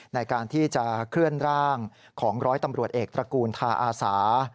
ในการที่จะเคลื่อนร่างของร้อยตำรวจเอกตระกูลทาอาสา